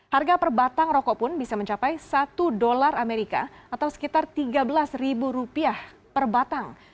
harga per batang rokok pun bisa mencapai satu dolar amerika atau sekitar tiga belas rupiah per batang